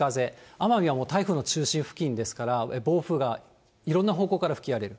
奄美はもう台風の中心付近ですから、暴風が、いろんな方向から吹き荒れる。